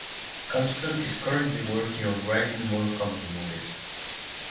Cumpston is currently working on writing more comedy movies.